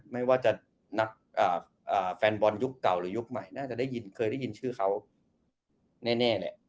ไม่ว่าจะนักแฟนบอลยุคเก่าหรือยุคใหม่น่าจะได้ยินเคยได้ยินชื่อเขาแน่เนี่ย